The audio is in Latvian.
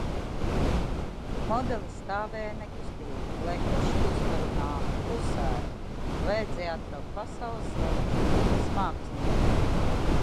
Modeles stāvēja nekustīgi. Lai kurš uzrunātu – klusētu. Vajadzēja atbraukt pasaules slaveniem modes māksliniekiem.